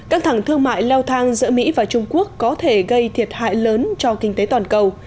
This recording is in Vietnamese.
căng thẳng thương mại leo thang giữa mỹ và trung quốc có thể gây thiệt hại lớn cho kinh tế toàn cầu